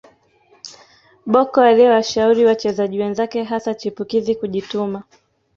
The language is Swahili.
Bocco aliyewashauri wachezaji wenzake hasa chipukizi kujituma